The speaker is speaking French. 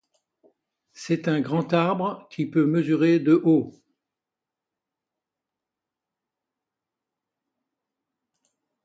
C'est un grand arbre qui peut mesurer de haut.